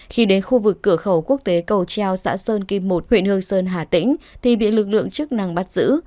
khi đến khu vực cửa khẩu quốc tế cầu treo xã sơn kim một huyện hương sơn hà tĩnh thì bị lực lượng chức năng bắt giữ